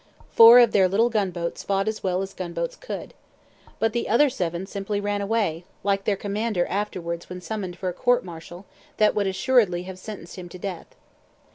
Four of their little gunboats fought as well as gunboats could. But the other seven simply ran away, like their commander afterwards when summoned for a court martial that would assuredly have sentenced him to death.